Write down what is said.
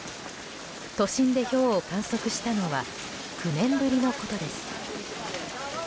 都心で、ひょうを観測したのは９年ぶりのことです。